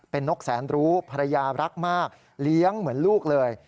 เป็นนกแสนรู้ภรรยารักมากเลี้ยงเหมือนลูกเลย